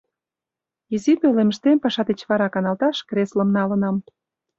Изи пӧлемыштем паша деч вара каналташ креслым налынам.